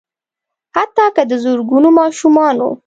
حتا که د زرګونو ماشومانو